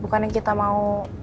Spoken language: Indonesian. bukannya kita mau